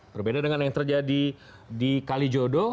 berbeda dengan yang terjadi di kalijodo